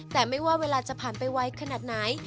แต่ไม่ว่าจะพันไปไหวขนาดไหน